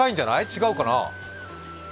違うかな？